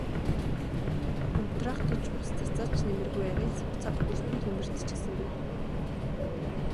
Унтраах гэж ус цацаад ч нэмэргүй арай л сууцаа бүхэлд нь түймэрдчихсэнгүй.